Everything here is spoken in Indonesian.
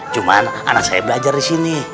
cuma anak saya belajar di sini